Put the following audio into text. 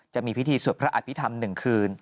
จะมีพิธีสวดพระอภิษฐรรม๑คืน